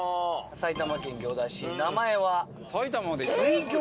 埼玉県行田市名前は「翠玉堂」。